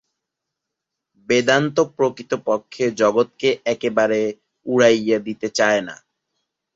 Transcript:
বেদান্ত প্রকৃতপক্ষে জগৎকে একেবারে উড়াইয়া দিতে চায় না।